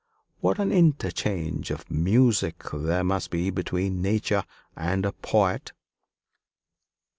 What an interchange of music there must be between Nature and a poet!"